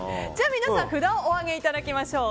皆さん札をお上げいただきましょう。